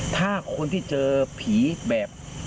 ถ้าคนที่เจอผีแบบ